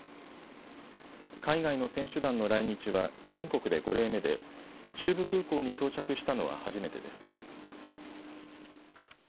海外の選手団の来日は全国で５例目で中部空港に到着したのは初めてです。